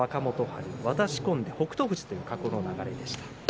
春渡し込んで北勝富士という過去の流れでした。